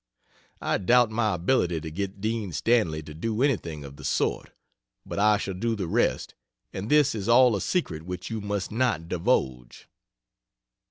I doubt my ability to get Dean Stanley to do anything of the sort, but I shall do the rest and this is all a secret which you must not divulge.